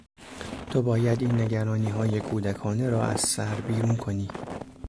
تو باید این نگرانیهای کودکانه را از سر بیرون کنی!